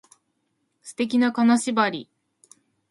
素敵な金縛り